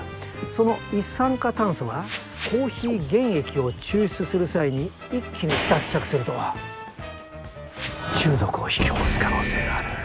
その一酸化炭素がコーヒー原液を抽出する際に一気に脱着すると中毒を引き起こす可能性がある。